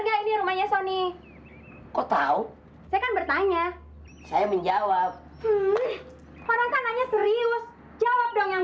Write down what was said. gak ini rumahnya sony kau tahu saya bertanya saya menjawab orangnya serius jawab dong yang